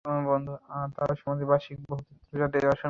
তার সমাধি বার্ষিক বহু তীর্থযাত্রী দর্শন করেন।